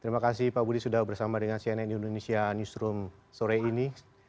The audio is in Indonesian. terima kasih pak budi sudah bersama dengan cnn indonesia newsroom sore ini